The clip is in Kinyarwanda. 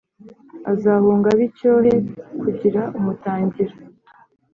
azahunga abe icyohe he kugira umutangira